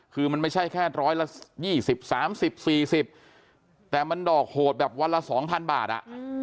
คือมันไม่ใช่แค่ร้อยละ๒๐๓๐๔๐แต่มันดอกโหดแบบวันละ๒๐๐บาท